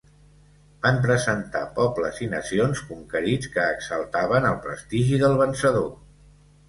Van presentar pobles i nacions conquerits que exaltaven el prestigi del vencedor.